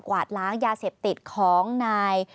วาดล้างยาเสพติดของนาย